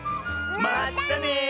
まったね！